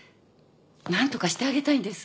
何とかしてあげたいんです。